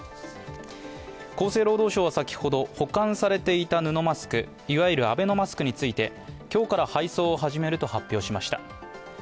厚生労働省は先ほど、保管されていた布マスクいわゆるアベノマスクについて今日から配送を始めると発表しました。